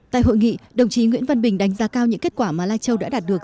tại hội nghị đồng chí nguyễn văn bình đánh giá cao những kết quả mà lai châu đã đạt được